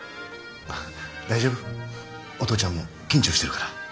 大丈夫お父ちゃんも緊張してるから。